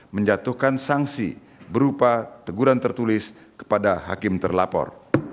menjatuhkan sanksi berupa teguran tertulis kepada hakim terlapor